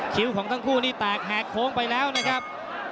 ของทั้งคู่นี่แตกแหกโค้งไปแล้วนะครับ